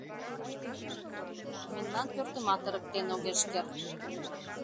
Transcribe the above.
Мемнан пӧртымат ырыктен огеш керт.